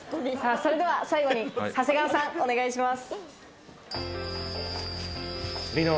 それでは最後に長谷川さん、お願いします。